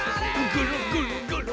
ぐるぐるぐる。